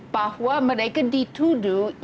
bahwa mereka dituduh